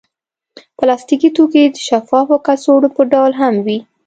پلاستيکي توکي د شفافو کڅوړو په ډول هم وي.